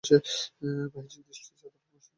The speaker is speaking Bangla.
বাহ্যিক দৃষ্টিতে তাদেরকে সাধারণ মুসাফির মনে হচ্ছিল।